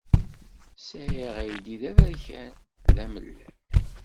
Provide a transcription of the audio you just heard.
Sɛiɣ aydi d aberkan, d amellal.